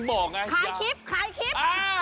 ของผม